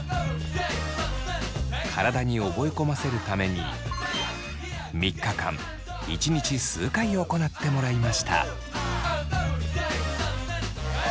体に覚え込ませるために３日間１日数回行ってもらいました。